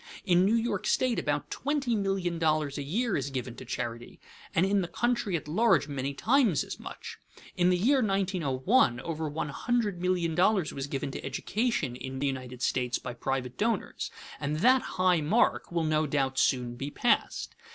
In New York state about twenty million dollars a year is given to charity, and in the country at large many times as much. In the year 1901 over one hundred million dollars was given to education in the United States by private donors; and that high mark will no doubt soon be passed.